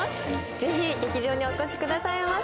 ぜひ劇場にお越しくださいませ！